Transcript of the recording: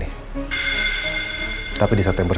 paket makanan buat bu andin